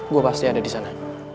gue pasti ada di sana